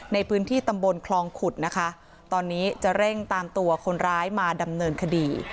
ในพื้นที่ตำบลคลองขุดนะคะตอนนี้จะเร่งตามตัวคนร้ายมาดำเนินคดี